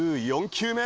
１４球目。